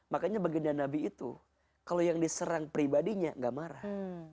makanya baginda nabi itu kalau yang diserang pribadinya gak marah